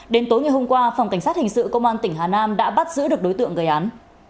đến tối ngày hôm qua phòng cảnh sát hình sự công an tỉnh hà nam đã bắt giữ được đối tượng gây án